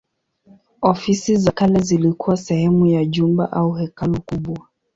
Ofisi za kale zilikuwa sehemu ya jumba au hekalu kubwa.